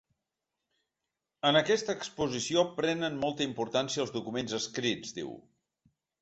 En aquesta exposició prenen molta importància els documents escrits, diu.